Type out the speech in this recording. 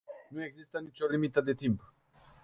Nu există nici o limită de timp.